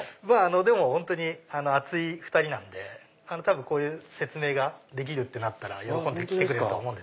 でも本当に熱い２人なんで多分説明ができるってなったら喜んで来てくれると思うんです。